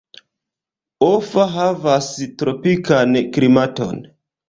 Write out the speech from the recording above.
Offa havas tropikan klimaton.